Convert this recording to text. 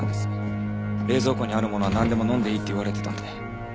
冷蔵庫にあるものはなんでも飲んでいいって言われてたんで。